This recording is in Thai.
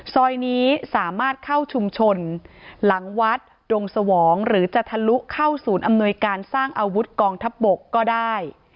ซอยนี้สามารถเข้าชุมชนหลังวัดดงสวองหรือจะทะลุเข้าศูนย์อำนวยการสร้างอาวุธกองทัพบกก็ได้